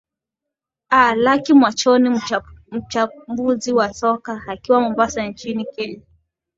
aa laki mwachoni mchambuzi wa soka akiwa mombasa nchini kenya